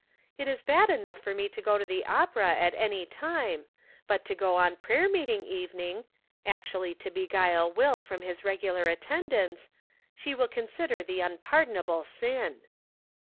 It is bad enough for me to go to the opera at any time, but to go on prayer meeting evening — actually to beguile Will from his regular attendance — she will consider . the unpardon able sin."